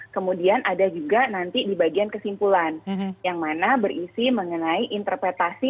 kemudian ada juga nanti di bagian kesimpulan yang mana berisi mengenai interpretasi